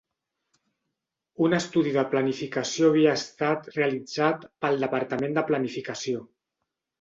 Un estudi de planificació havia estat realitzat pel departament de planificació.